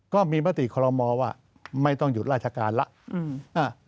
ก็มีประติคลมอว่าไม่ต้องหยุดราชการแล้ว